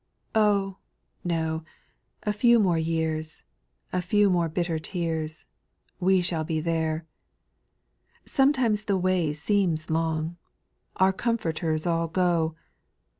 JL Oh, no ! a few more years, A few more bitter tears, — We shall be there. Sometimes the way seems long, Our comforters all go.